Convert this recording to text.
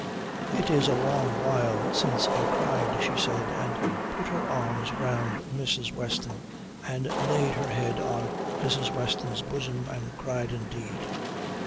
"It is a long while since I cried," she said, and put her arms round Mrs. Weston and laid her head on Mrs. Weston's bosom and cried indeed.